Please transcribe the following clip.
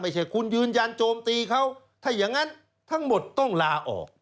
ไม่ใช่คุณยืนยันโจมตีเขาถ้าอย่างนั้นทั้งหมดต้องลาออก